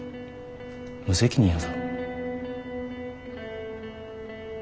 無責任やぞ。